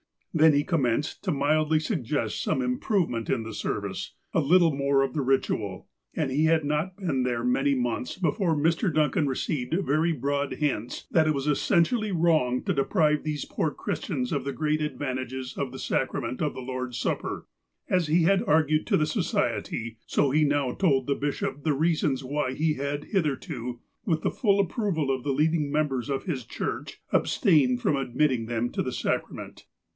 Then he commenced to mildly suggest some improve ment in the service — a little more of the ritual. And he had not been there many months before Mr. Duncan re ceived very broad hints that it was essentially wrong to deprive these poor Christians of the great advantages of the sacrament of the Lord's Supper. As he had argued to the Society, so he now told the bishop the reasons why he had hitherto, with the full approval of the leading members of his church, abstained from admitting them to the sacrament.